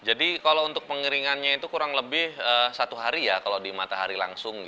jadi kalau untuk pengeringannya itu kurang lebih satu hari ya kalau di matahari langsung